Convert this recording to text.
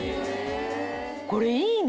これいいね。